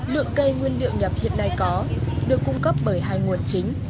lượng cây nguyên liệu nhập hiện nay có được cung cấp bởi hai nguồn chính